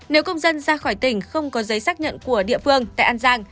nếu công dân ra khỏi tỉnh không có giấy xác nhận của địa phương tại an giang